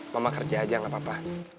mama kerja aja gak apa apa